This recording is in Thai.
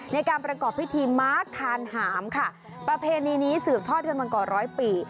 ในการประกอบพิธีม้าทานหามค่ะประเพณีนี้สืบทอดกันมากว่าร้อยปี